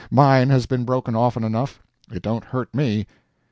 Mine has been broken often enough—it don't hurt me.